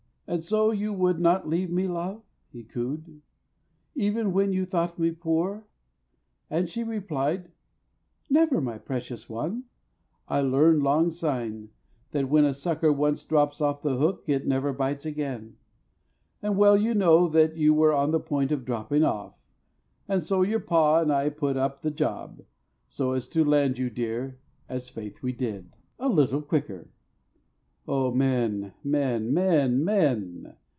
"And so you would not leave me, love?" he cooed, "Even when you thought me poor?" And she replied, "Never, my precious one. I learned lang syne That when a sucker once drops off the hook It never bites again. And well you know That you were on the point of dropping off, And so your pa and I put up the job So as to land you, dear—as faith we did— A little quicker. Oh, men, men, men, men!